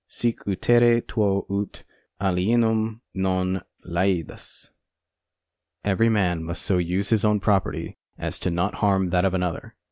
Sic utere tuo ut alienum non laedas. 9 Co. Rep. 59. Every man must so use his own property as not to harm that of another.